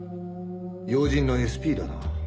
要人のＳＰだな。